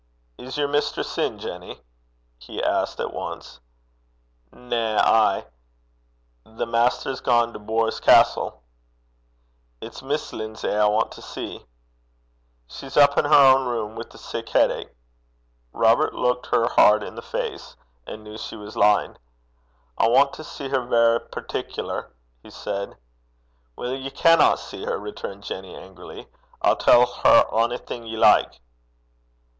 'Is yer mistress in, Jenny?' he asked at once. 'Na. Ay. The maister's gane to Bors Castle.' 'It's Miss Lindsay I want to see.' 'She's up in her ain room wi' a sair heid.' Robert looked her hard in the face, and knew she was lying. 'I want to see her verra partic'lar,' he said. 'Weel, ye canna see her,' returned Jenny angrily. 'I'll tell her onything ye like.'